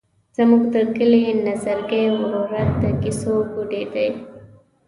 زموږ د کلي نظرګي ورورک د کیسو ګوډی دی.